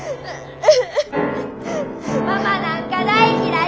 ママなんか大嫌い！